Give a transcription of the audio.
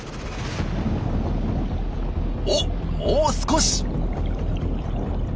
おもう少し！